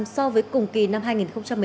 so với cùng kỳ năm hai nghìn một mươi chín